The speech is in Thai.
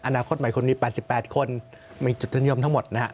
อนาคตใหม่คุณเมีย๘๘คนมีจุธนยมเท่าหมด